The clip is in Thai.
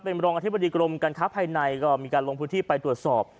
เป็นรองอธิบดีกรมการค้าภายในก็มีการลงพื้นที่ไปตรวจสอบ